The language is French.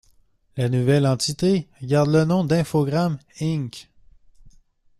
La nouvelle entité garde le nom d'Infogrames Inc..